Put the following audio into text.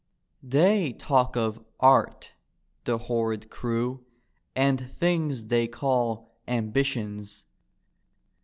They talk of " art," the horrid crew. And things they call " ambitions."